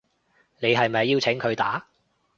你係咪邀請佢打